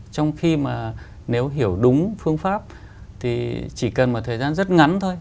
trong khi mà nếu hiểu đúng phương pháp thì chỉ cần một thời gian rất ngắn thôi